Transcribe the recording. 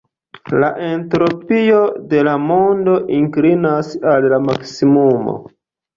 La entropio de la mondo inklinas al la maksimumo.